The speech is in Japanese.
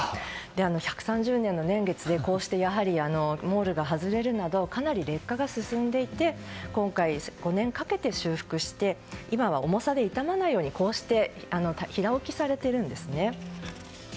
１３０年の年月で、こうしてモールが外れるなどかなり劣化が進んでいて今回、５年かけて修復して今は重さで傷まないように平置きされているんですね。